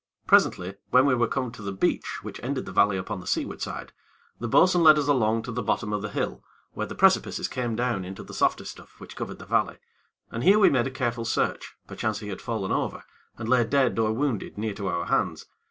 Presently, when we were come to the beach which ended the valley upon the seaward side, the bo'sun led us along to the bottom of the hill, where the precipices came down into the softer stuff which covered the valley, and here we made a careful search, perchance he had fallen over, and lay dead or wounded near to our hands.